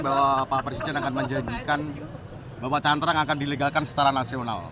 bahwa pak presiden akan menjanjikan bahwa cantrang akan dilegalkan secara nasional